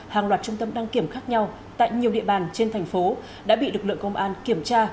hàng loạt trung tâm đăng kiểm khác nhau tại nhiều địa bàn trên thành phố đã bị lực lượng công an kiểm tra